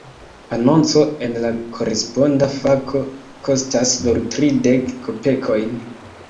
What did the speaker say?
Anonco en la "Koresponda Fako" kostas nur tridek kopekojn.